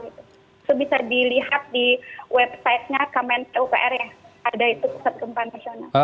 itu bisa dilihat di website nya kementerian upr yang ada itu pusat gempa nasional